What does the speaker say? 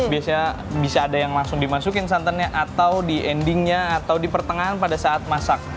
biasanya bisa ada yang langsung dimasukin santannya atau di endingnya atau di pertengahan pada saat masak